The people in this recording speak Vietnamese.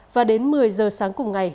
và đến một mươi giờ sáng cùng ngày